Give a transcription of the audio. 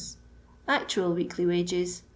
Actual weekly wages .